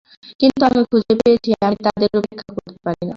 কিন্তু আমি খুঁজে পেয়েছি আমি তাদের উপেক্ষা করতে পারি না।